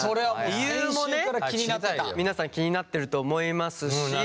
理由もね皆さん気になってると思いますし。